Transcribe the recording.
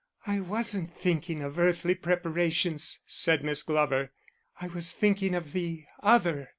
"I wasn't thinking of earthly preparations," said Miss Glover. "I was thinking of the other.